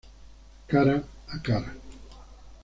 Cara a cara.